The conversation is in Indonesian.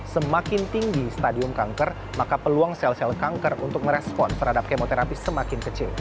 semakin tinggi stadium kanker maka peluang sel sel kanker untuk merespon terhadap kemoterapi semakin kecil